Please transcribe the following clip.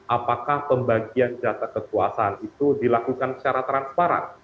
apakah pembagian jasa kekuasaan itu dilakukan secara transparan